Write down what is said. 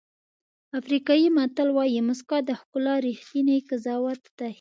افریقایي متل وایي موسکا د ښکلا ریښتینی قضاوت دی.